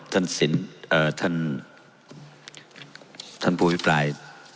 ท่านศิลป์ท่านภูมิฟราย